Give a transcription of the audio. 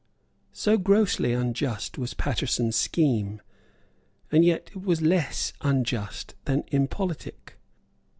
So grossly unjust was Paterson's scheme; and yet it was less unjust than impolitic.